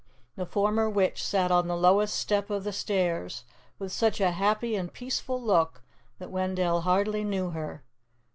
The former witch sat on the lowest step of the stairs, with such a happy and peaceful look that Wendell hardly knew her.